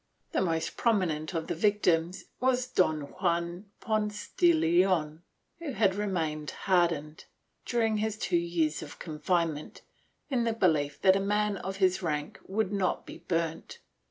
The most prominent of the victims was Don Juan Ponce de Leon, who had remained hardened, during his two years of confinement, in the belief that a man of his rank would not be burnt.